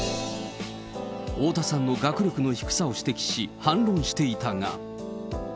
太田さんの学力の低さを指摘し、反論していたが。